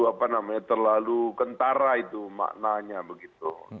apa namanya terlalu kentara itu maknanya begitu